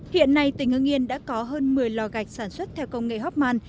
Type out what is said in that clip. hiện nay tỉnh hưng yên đã có hơn một mươi lò gạch sản xuất theo công nghệ hóc man